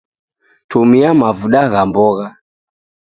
Tumia mavuda gha mbogha